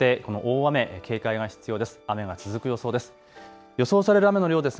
雨が続く予想です。